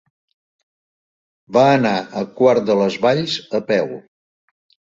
Va anar a Quart de les Valls a peu.